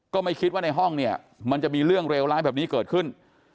ก็ไม่คิดว่าในห้องเนี่ยมันจะมีเรื่องเลวร้ายแบบนี้เกิดขึ้น